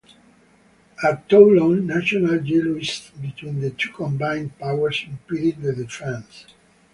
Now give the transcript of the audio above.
At Toulon, national jealousies between the two combined powers impeded the defence.